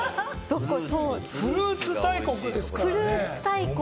フルーツ大国ですから。